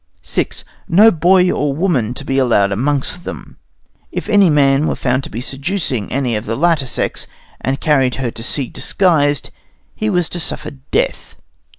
VI No boy or woman to be allowed amongst them. If any man were found seducing any of the latter sex, and carried her to sea disguised, he was to suffer death.